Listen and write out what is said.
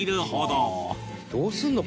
どうするの？